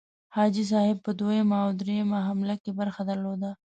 حاجي صاحب په دوهمه او دریمه حمله کې برخه درلوده.